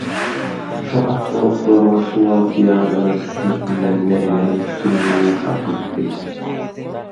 Şol atgulaklaryň şu wagt ýadyna düşmesinden mergeniň süňňi gowşap gitdi.